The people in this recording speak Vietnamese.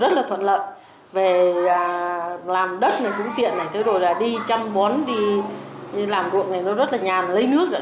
rất là thuận lợi về làm đất này cũng tiện này thế rồi là đi chăm bón đi làm ruộng này nó rất là nhà lấy nước rồi